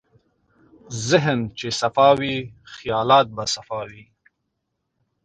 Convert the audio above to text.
ذهن چې صفا وي، خیالات به صفا وي.